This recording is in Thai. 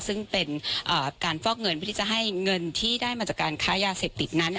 ซึ่งเป็นการฟอกเงินเพื่อที่จะให้เงินที่ได้มาจากการค้ายาเสพติดนั้น